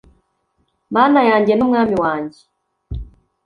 Mana yanjye n’umwami wanjye